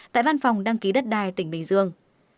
tại văn phòng đăng ký đất đai tỉnh bình dương